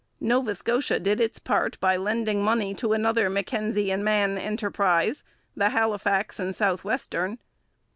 Nova Scotia did its part by lending money to another Mackenzie and Mann enterprise, the Halifax and South western.